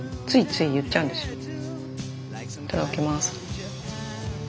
いただきます。